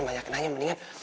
banyak nanya mendingan